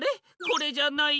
これじゃない。